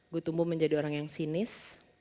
gue tumbuh menjadi orang yang sinis